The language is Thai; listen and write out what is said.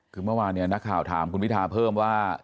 คือเมื่อวานเนี่ยนักข่าวถามคุณพิทาเพิ่มว่า